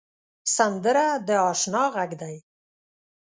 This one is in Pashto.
سندره د اشنا غږ دی